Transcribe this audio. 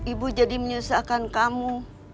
ibu jadi menyusahkan kamu